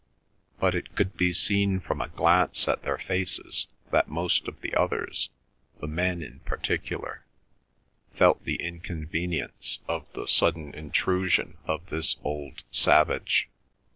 But it could be seen from a glance at their faces that most of the others, the men in particular, felt the inconvenience of the sudden intrusion of this old savage.